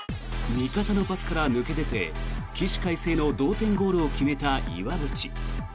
味方のパスから抜け出て起死回生の同点ゴールを決めた岩渕。